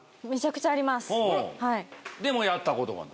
でもやったことがない。